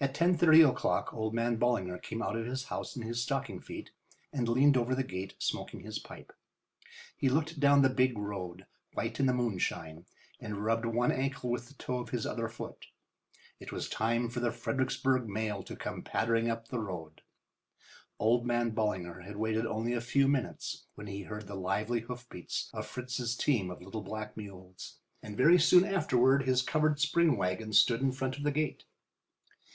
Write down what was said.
At 10:30 o'clock old man Ballinger came out of his house in his stocking feet and leaned over the gate, smoking his pipe. He looked down the big road, white in the moonshine, and rubbed one ankle with the toe of his other foot. It was time for the Fredericksburg mail to come pattering up the road. Old man Ballinger had waited only a few minutes when he heard the lively hoofbeats of Fritz's team of little black mules, and very soon afterward his covered spring wagon stood in front of the gate.